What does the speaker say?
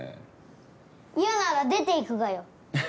嫌なら出て行くがよい。